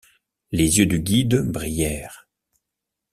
Les yeux du guide brillèrent.